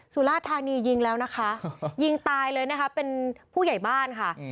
สุราชธานียิงแล้วนะคะยิงตายเลยนะคะเป็นผู้ใหญ่บ้านค่ะ